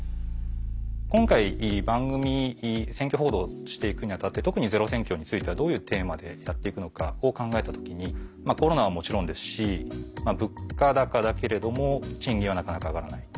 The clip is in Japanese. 今回番組選挙報道をして行くに当たって特に『ｚｅｒｏ選挙』についてはどういうテーマでやって行くのかを考えた時にコロナはもちろんですし物価高だけれども賃金はなかなか上がらない。